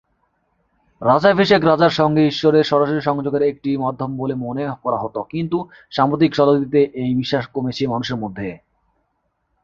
রাজ্যাভিষেক রাজার সঙ্গে ঈশ্বরের সরাসরি সংযোগের একটি মাধ্যম বলে মনে করা হত, কিন্তু সাম্প্রতিক শতাব্দীতে এই বিশ্বাস কমেছে মানুষের মধ্যে।